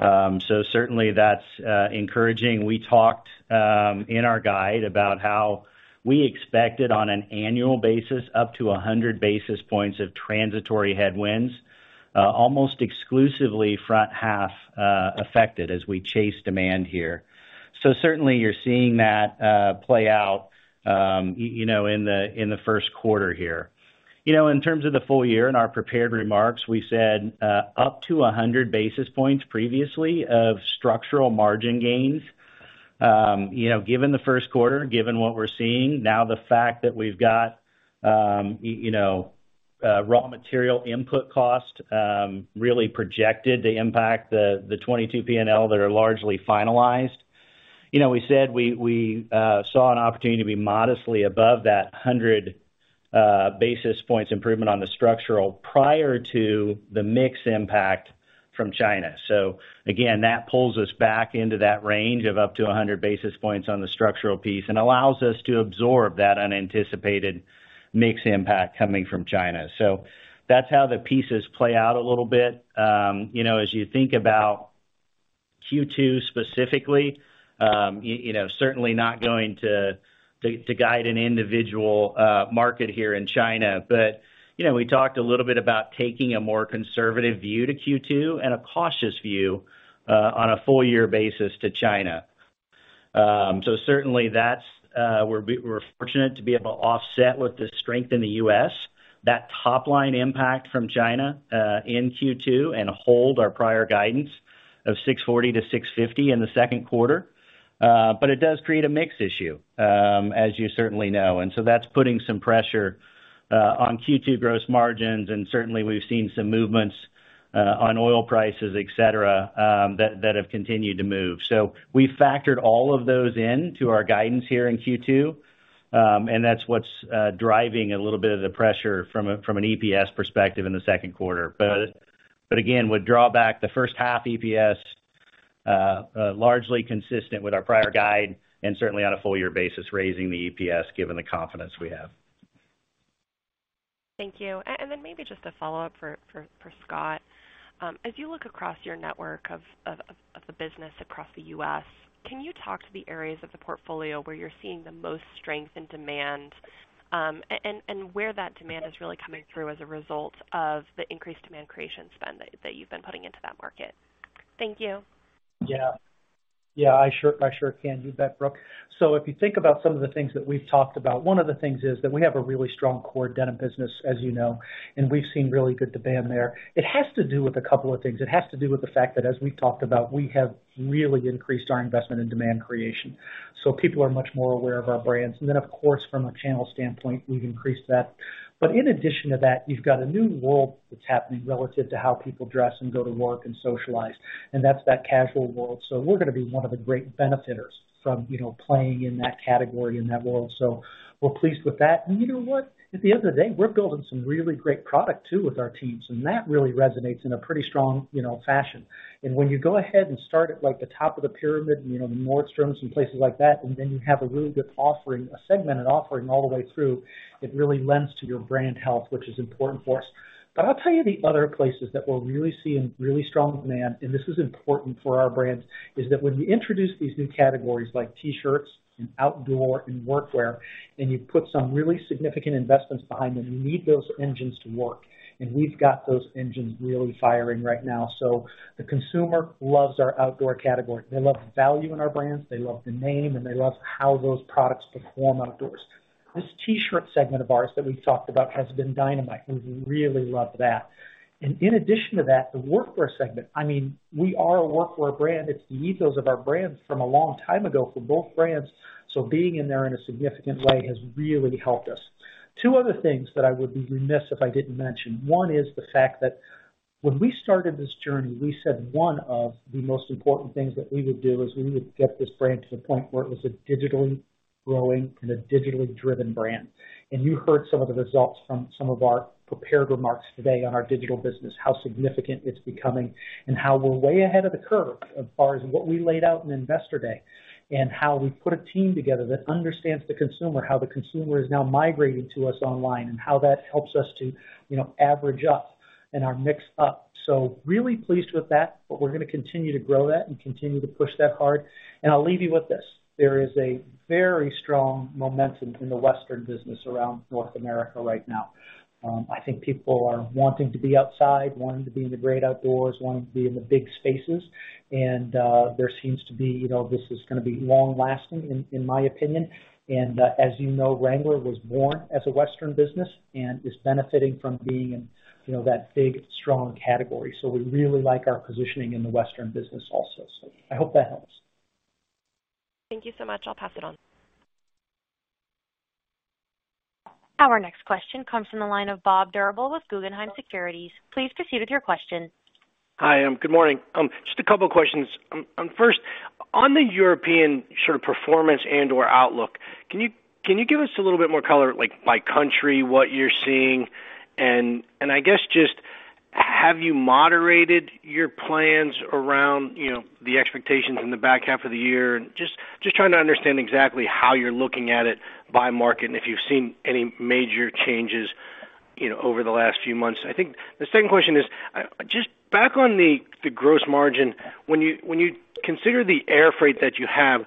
Certainly that's encouraging. We talked in our guide about how we expected on an annual basis, up to 100 basis points of transitory headwinds, almost exclusively front half, affected as we chase demand here. Certainly you're seeing that play out, you know, in the first quarter here. You know, in terms of the full year, in our prepared remarks, we said up to 100 basis points previously of structural margin gains. You know, given the first quarter, given what we're seeing, now the fact that we've got, you know, raw material input cost, really projected to impact the 2022 P&L that are largely finalized. You know, we said we saw an opportunity to be modestly above that 100 basis points improvement on the structural prior to the mix impact from China. So again, that pulls us back into that range of up to 100 basis points on the structural piece and allows us to absorb that unanticipated mix impact coming from China. So that's how the pieces play out a little bit. You know, as you think about Q2 specifically, you know, certainly not going to guide an individual market here in China. You know, we talked a little bit about taking a more conservative view to Q2 and a cautious view on a full year basis to China. Certainly, we're fortunate to be able to offset with the strength in the U.S. the top line impact from China in Q2 and hold our prior guidance of $640-$650 in the second quarter. It does create a mix issue as you certainly know. That's putting some pressure on Q2 gross margins, and certainly we've seen some movements on oil prices, et cetera, that have continued to move. We factored all of those into our guidance here in Q2, and that's what's driving a little bit of the pressure from an EPS perspective in the second quarter. Again, would drag back the first half EPS, largely consistent with our prior guide and certainly on a full year basis, raising the EPS given the confidence we have. Thank you. Maybe just a follow-up for Scott. As you look across your network of the business across the U.S., can you talk to the areas of the portfolio where you're seeing the most strength and demand, and where that demand is really coming through as a result of the increased demand creation spend that you've been putting into that market? Thank you. Yeah. I sure can. You bet, Brooke. If you think about some of the things that we've talked about, one of the things is that we have a really strong core denim business, as you know, and we've seen really good demand there. It has to do with a couple of things. It has to do with the fact that as we've talked about, we have really increased our investment in demand creation. People are much more aware of our brands. Then of course, from a channel standpoint, we've increased that. In addition to that, you've got a new world that's happening relative to how people dress and go to work and socialize, and that's that casual world. We're gonna be one of the great benefiters from, you know, playing in that category in that world. We're pleased with that. You know what? At the end of the day, we're building some really great product too with our teams, and that really resonates in a pretty strong, you know, fashion. When you go ahead and start at, like, the top of the pyramid, you know, the Nordstrom and places like that, and then you have a really good offering, a segmented offering all the way through, it really lends to your brand health, which is important for us. I'll tell you the other places that we're really seeing really strong demand, and this is important for our brands, is that when we introduce these new categories like T-shirts and outdoor and workwear, and you put some really significant investments behind them, you need those engines to work. We've got those engines really firing right now. The consumer loves our outdoor category. They love the value in our brands, they love the name, and they love how those products perform outdoors. This T-shirt segment of ours that we've talked about has been dynamite. We really love that. In addition to that, the workwear segment, I mean, we are a workwear brand. It's the ethos of our brands from a long time ago for both brands. Being in there in a significant way has really helped us. Two other things that I would be remiss if I didn't mention. One is the fact that when we started this journey, we said one of the most important things that we would do is we would get this brand to the point where it was a digitally growing and a digitally driven brand. You heard some of the results from some of our prepared remarks today on our digital business, how significant it's becoming and how we're way ahead of the curve as far as what we laid out in Investor Day, and how we put a team together that understands the consumer, how the consumer is now migrating to us online, and how that helps us to, you know, average up and our mix up. Really pleased with that. We're gonna continue to grow that and continue to push that hard. I'll leave you with this. There is a very strong momentum in the Wrangler business around North America right now. I think people are wanting to be outside, wanting to be in the great outdoors, wanting to be in the big spaces, and there seems to be, you know, this is gonna be long lasting in my opinion. As you know, Wrangler was born as a Western business and is benefiting from being in, you know, that big, strong category. We really like our positioning in the Western business also. I hope that helps. Thank you so much. I'll pass it on. Our next question comes from the line of Bob Drbul with Guggenheim Securities. Please proceed with your question. Hi, good morning. Just a couple questions. First, on the European sort of performance and/or outlook, can you give us a little bit more color, like by country, what you're seeing? I guess just have you moderated your plans around, you know, the expectations in the back half of the year? Just trying to understand exactly how you're looking at it by market and if you've seen any major changes, you know, over the last few months. I think the second question is, just back on the gross margin. When you consider the air freight that you have,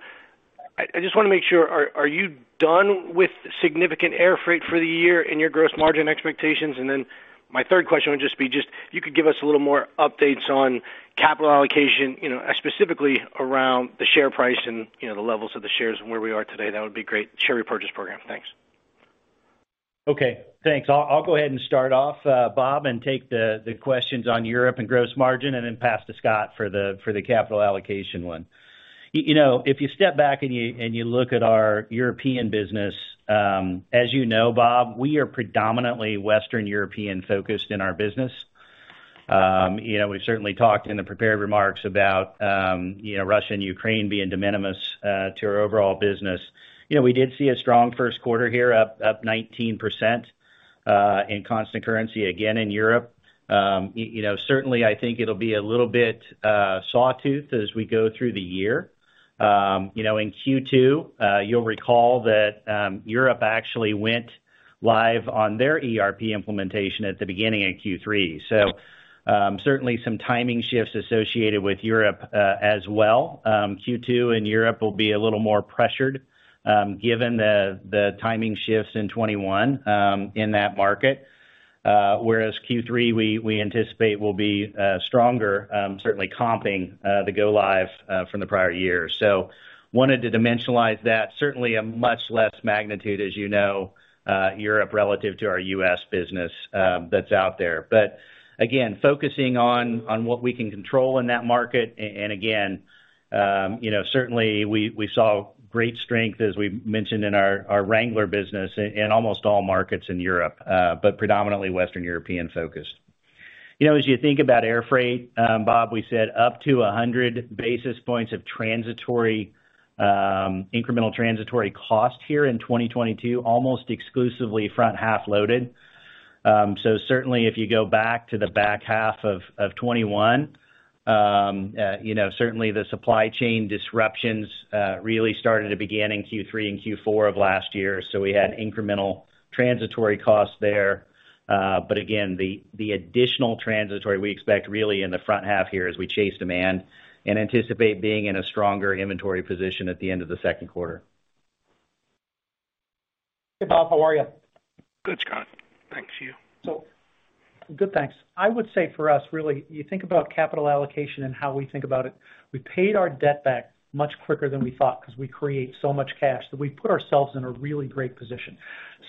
I just wanna make sure, are you done with significant air freight for the year in your gross margin expectations? My third question would just be if you could give us a little more updates on capital allocation, you know, specifically around the share price and, you know, the levels of the shares and where we are today. That would be great. Share repurchase program. Thanks. Okay, thanks. I'll go ahead and start off, Bob, and take the questions on Europe and gross margin and then pass to Scott for the capital allocation one. You know, if you step back and you look at our European business, as you know, Bob, we are predominantly Western European focused in our business. You know, we've certainly talked in the prepared remarks about, you know, Russia and Ukraine being de minimis to our overall business. You know, we did see a strong first quarter here, up 19% in constant currency again in Europe. You know, certainly I think it'll be a little bit sawtooth as we go through the year. You know, in Q2, you'll recall that, Europe actually went live on their ERP implementation at the beginning of Q3. Certainly some timing shifts associated with Europe, as well. Q2 in Europe will be a little more pressured, given the timing shifts in 2021, in that market. Whereas Q3, we anticipate will be stronger, certainly comping the go live from the prior year. Wanted to dimensionalize that. Certainly a much less magnitude, as you know, Europe relative to our U.S. business, that's out there. Again, focusing on what we can control in that market, and again, you know, certainly we saw great strength, as we mentioned in our Wrangler business in almost all markets in Europe, but predominantly Western European focused. You know, as you think about air freight, Bob, we said up to 100 basis points of transitory, incremental transitory cost here in 2022, almost exclusively front half loaded. Certainly if you go back to the back half of 2021, you know, certainly the supply chain disruptions really started to begin in Q3 and Q4 of last year. We had incremental transitory costs there. Again, the additional transitory we expect really in the front half here as we chase demand and anticipate being in a stronger inventory position at the end of the second quarter. Hey, Bob, how are you? Good, Scott. Thanks. You? Good, thanks. I would say for us, really, you think about capital allocation and how we think about it. We paid our debt back much quicker than we thought because we create so much cash that we put ourselves in a really great position.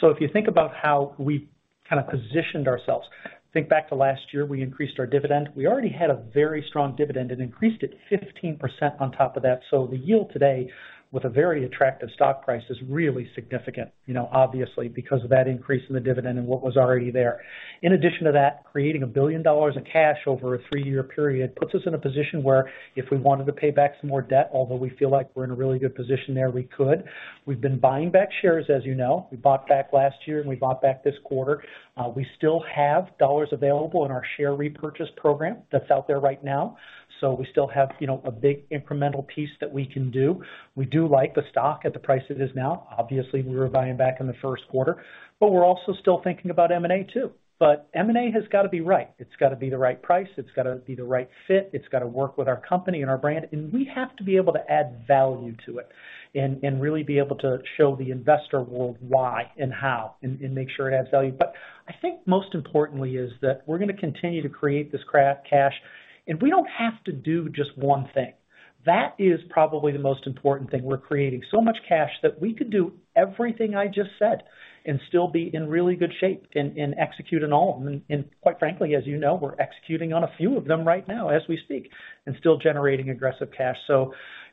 If you think about how we kind of positioned ourselves, think back to last year. We increased our dividend. We already had a very strong dividend and increased it 15% on top of that. The yield today with a very attractive stock price is really significant, you know, obviously because of that increase in the dividend and what was already there. In addition to that, creating $1 billion in cash over a three-year period puts us in a position where if we wanted to pay back some more debt, although we feel like we're in a really good position there, we could. We've been buying back shares as you know. We bought back last year, and we bought back this quarter. We still have dollars available in our share repurchase program that's out there right now. So we still have, you know, a big incremental piece that we can do. We do like the stock at the price it is now. Obviously, we were buying back in the first quarter, but we're also still thinking about M&A too. M&A has got to be right. It's got to be the right price. It's got to be the right fit. It's got to work with our company and our brand, and we have to be able to add value to it and really be able to show the investor world why and how and make sure it adds value. I think most importantly is that we're gonna continue to create this craft cash, and we don't have to do just one thing. That is probably the most important thing. We're creating so much cash that we could do everything I just said and still be in really good shape and execute on all of them. Quite frankly, as you know, we're executing on a few of them right now as we speak and still generating aggressive cash.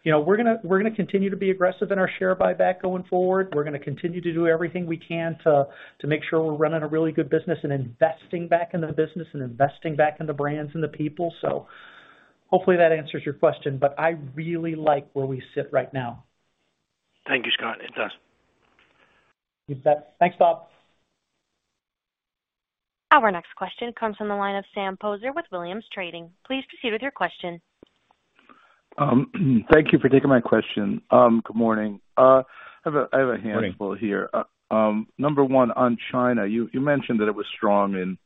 You know, we're gonna continue to be aggressive in our share buyback going forward. We're gonna continue to do everything we can to make sure we're running a really good business and investing back in the business and investing back in the brands and the people. Hopefully that answers your question, but I really like where we sit right now. Thank you, Scott. It does. You bet. Thanks, Bob. Our next question comes from the line of Sam Poser with Williams Trading. Please proceed with your question. Thank you for taking my question. Good morning. I have a handful here. Number one, on China, you mentioned that it was strong in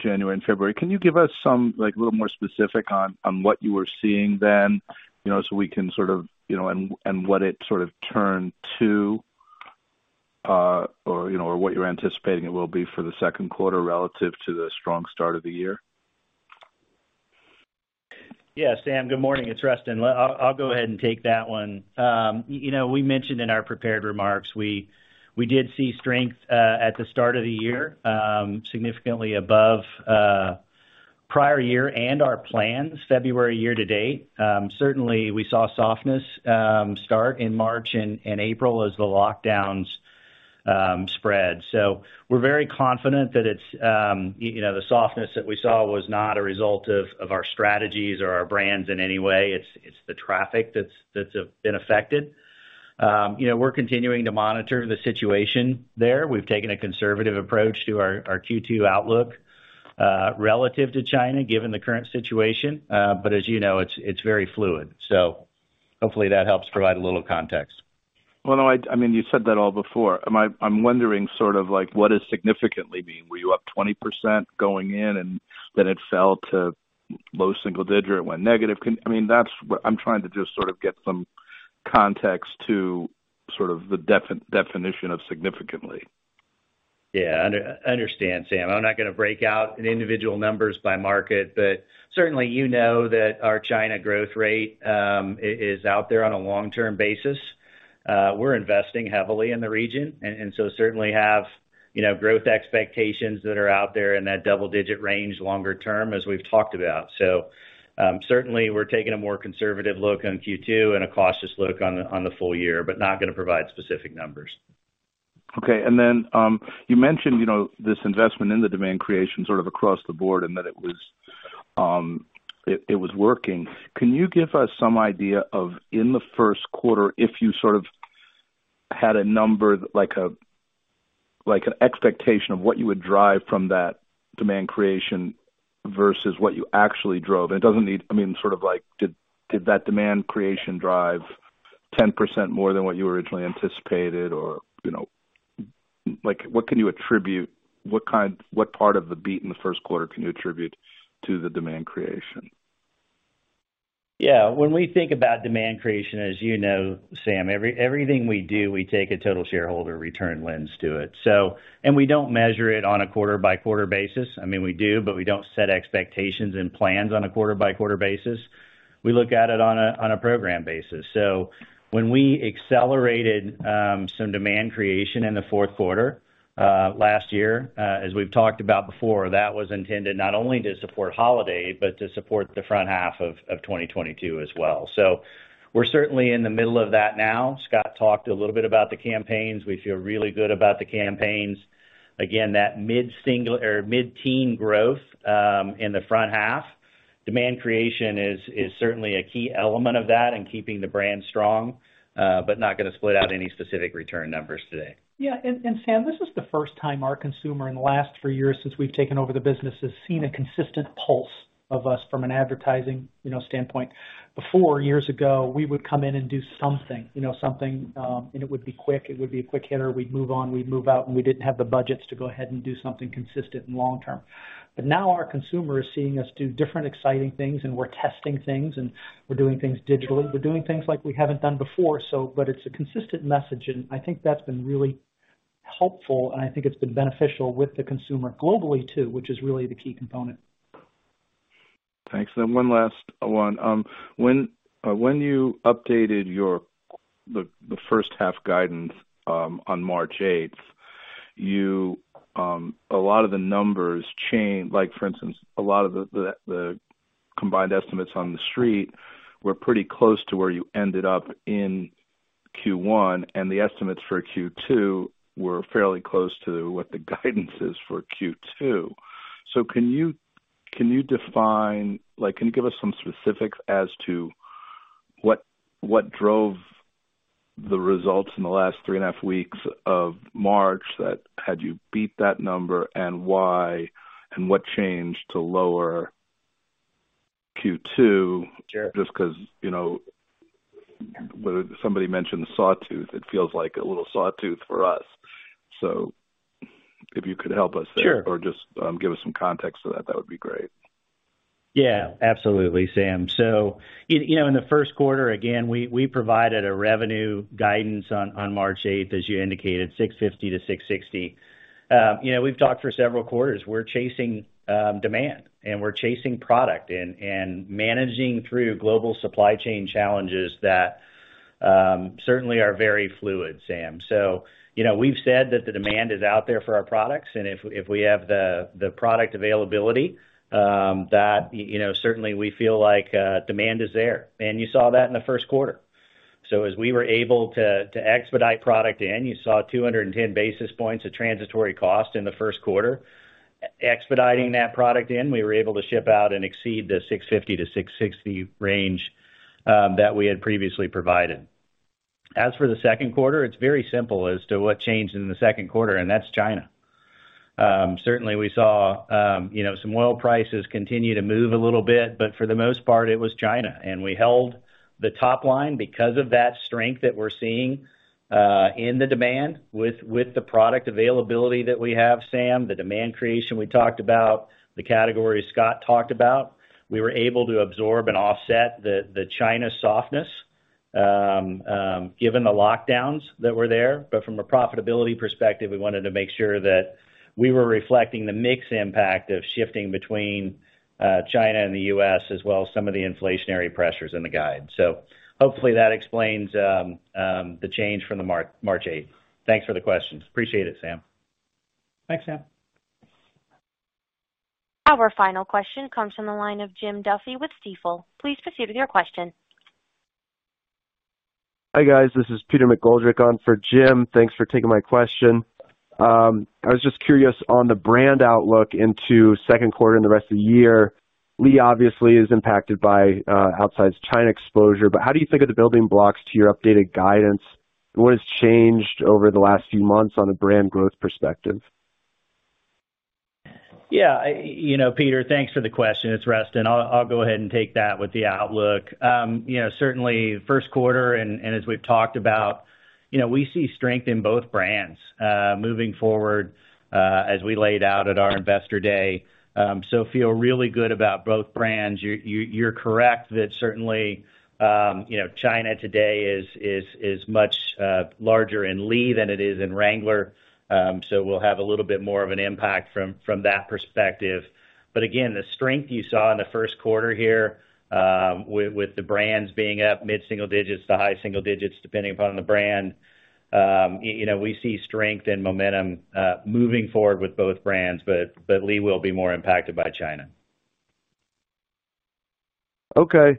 January and February. Can you give us some, like, a little more specific on what you were seeing then, you know, so we can sort of, you know, and what it sort of turned to, or, you know, or what you're anticipating it will be for the second quarter relative to the strong start of the year? Yeah, Sam, good morning. It's Rustin. I'll go ahead and take that one. You know, we mentioned in our prepared remarks we did see strength at the start of the year significantly above prior year and our plans February year-to-date. Certainly we saw softness start in March and April as the lockdowns spread. We're very confident that it's you know, the softness that we saw was not a result of our strategies or our brands in any way. It's the traffic that's been affected. You know, we're continuing to monitor the situation there. We've taken a conservative approach to our Q2 outlook relative to China, given the current situation. As you know, it's very fluid, so hopefully that helps provide a little context. Well, no, I mean, you said that all before. I'm wondering sort of like, what does significantly mean? Were you up 20% going in and then it fell to low single-digit, went negative? I mean, that's what I'm trying to just sort of get some context to sort of the definition of significantly. Understand, Sam. I'm not gonna break out individual numbers by market, but certainly you know that our China growth rate is out there on a long-term basis. We're investing heavily in the region and so certainly have, you know, growth expectations that are out there in that double-digit range longer term as we've talked about. Certainly we're taking a more conservative look on Q2 and a cautious look on the full year, but not gonna provide specific numbers. Okay. You mentioned, you know, this investment in the demand creation sort of across the board and that it was working. Can you give us some idea of in the first quarter if you sort of had a number like an expectation of what you would drive from that demand creation versus what you actually drove? I mean, sort of like, did that demand creation drive 10% more than what you originally anticipated? Or, you know, like, what part of the beat in the first quarter can you attribute to the demand creation? Yeah. When we think about demand creation, as you know, Sam, everything we do, we take a total shareholder return lens to it. We don't measure it on a quarter-by-quarter basis. I mean, we do, but we don't set expectations and plans on a quarter-by-quarter basis. We look at it on a program basis. When we accelerated some demand creation in the fourth quarter last year, as we've talked about before, that was intended not only to support holiday but to support the front half of 2022 as well. We're certainly in the middle of that now. Scott talked a little bit about the campaigns. We feel really good about the campaigns. Again, that mid-single or mid-teen growth in the front half. Demand creation is certainly a key element of that and keeping the brand strong, but not gonna split out any specific return numbers today. Yeah. Sam, this is the first time our consumer in the last three years since we've taken over the business has seen a consistent pulse of us from an advertising, you know, standpoint. Before, years ago, we would come in and do something, you know, and it would be quick, it would be a quick hitter. We'd move on, we'd move out, and we didn't have the budgets to go ahead and do something consistent and long-term. Now our consumer is seeing us do different exciting things, and we're testing things, and we're doing things digitally. We're doing things like we haven't done before, but it's a consistent message and I think that's been really helpful, and I think it's been beneficial with the consumer globally too, which is really the key component. Thanks. One last one. When you updated the first half guidance on March 8th, a lot of the numbers like for instance, a lot of the combined estimates on the street were pretty close to where you ended up in Q1, and the estimates for Q2 were fairly close to what the guidance is for Q2. Can you give us some specifics as to what drove the results in the last three and a half weeks of March that had you beat that number and why and what changed to lower Q2? Sure. Just 'cause, you know, whether somebody mentioned sawtooth, it feels like a little sawtooth for us. If you could help us there. Sure. Just give us some context to that. That would be great. Yeah, absolutely, Sam. You know, in the first quarter, again, we provided a revenue guidance on March 8th, as you indicated, $650-$660. You know, we've talked for several quarters, we're chasing demand, and we're chasing product and managing through global supply chain challenges that certainly are very fluid, Sam. You know, we've said that the demand is out there for our products, and if we have the product availability, that you know certainly we feel like demand is there. You saw that in the first quarter. As we were able to expedite product in, you saw 210 basis points of transitory cost in the first quarter. Expediting that product in, we were able to ship out and exceed the $650-$660 range that we had previously provided. As for the second quarter, it's very simple as to what changed in the second quarter, and that's China. Certainly we saw, you know, some oil prices continue to move a little bit, but for the most part it was China. We held the top line because of that strength that we're seeing in the demand with the product availability that we have, Sam, the demand creation we talked about, the category Scott talked about. We were able to absorb and offset the China softness given the lockdowns that were there. From a profitability perspective, we wanted to make sure that we were reflecting the mix impact of shifting between China and the U.S. as well as some of the inflationary pressures in the guide. Hopefully that explains the change from March 8th. Thanks for the question. Appreciate it, Sam. Thanks, Sam. Our final question comes from the line of Jim Duffy with Stifel. Please proceed with your question. Hi, guys. This is Peter McGoldrick on for Jim. Thanks for taking my question. I was just curious on the brand outlook into second quarter and the rest of the year. Lee obviously is impacted by outsized China exposure, but how do you think of the building blocks to your updated guidance? What has changed over the last few months on a brand growth perspective? Yeah. You know, Peter, thanks for the question. It's Rustin. I'll go ahead and take that with the outlook. You know, certainly first quarter and as we've talked about, you know, we see strength in both brands moving forward as we laid out at our Investor Day. So feel really good about both brands. You're correct that certainly you know, China today is much larger in Lee than it is in Wrangler. So we'll have a little bit more of an impact from that perspective. But again, the strength you saw in the first quarter here with the brands being up mid single-digits to high single-digits, depending upon the brand, you know, we see strength and momentum moving forward with both brands, but Lee will be more impacted by China. Okay.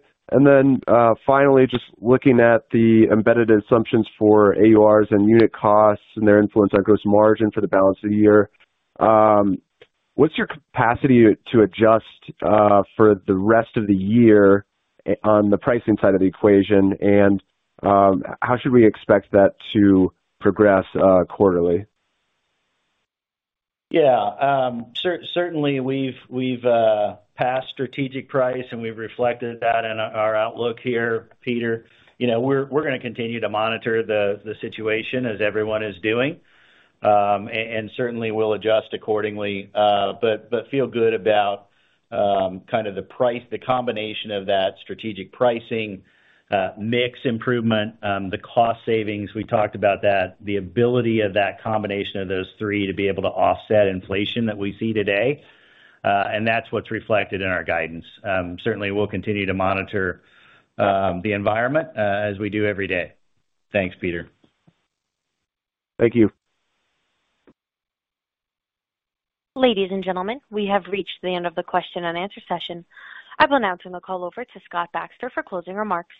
Finally, just looking at the embedded assumptions for AURs and unit costs and their influence on gross margin for the balance of the year, what's your capacity to adjust for the rest of the year on the pricing side of the equation? How should we expect that to progress quarterly? Yeah. Certainly we've passed strategic pricing, and we've reflected that in our outlook here, Peter. You know, we're gonna continue to monitor the situation as everyone is doing. Certainly we'll adjust accordingly. But feel good about kind of the pricing, the combination of that strategic pricing, mix improvement, the cost savings we talked about that, the ability of that combination of those three to be able to offset inflation that we see today. That's what's reflected in our guidance. Certainly we'll continue to monitor the environment as we do every day. Thanks, Peter. Thank you. Ladies and gentlemen, we have reached the end of the question and answer session. I will now turn the call over to Scott Baxter for closing remarks.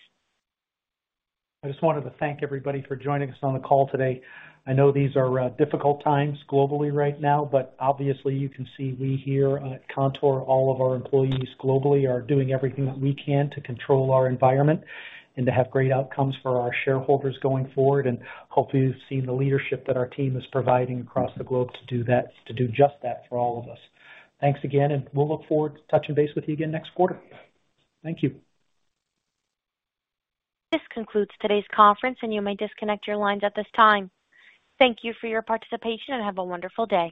I just wanted to thank everybody for joining us on the call today. I know these are difficult times globally right now, but obviously you can see we here at Kontoor, all of our employees globally are doing everything that we can to control our environment and to have great outcomes for our shareholders going forward. Hopefully you've seen the leadership that our team is providing across the globe to do that, to do just that for all of us. Thanks again, and we'll look forward to touching base with you again next quarter. Thank you. This concludes today's conference, and you may disconnect your lines at this time. Thank you for your participation, and have a wonderful day.